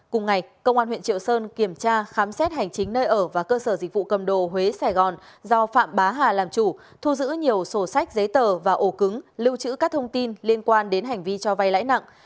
cùng ngày công an huyện triệu sơn kiểm tra khám xét hành chính nơi ở và cơ sở dịch vụ cầm đồ huế sài gòn do phạm bá hà làm chủ thu giữ nhiều sổ sách giấy tờ và ổ cứng lưu trữ các thông tin liên quan đến hành vi cho vay lãi nặng